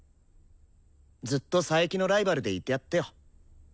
ずっと佐伯のライバルでいてやってよ。